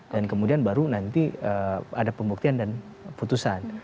dan kemudian baru nanti ada pembuktian dan putusan